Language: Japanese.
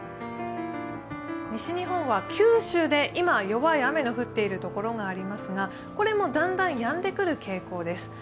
西日本は九州で今、弱い雨の降っている所がありますが、これもだんだんやんでくる傾向です。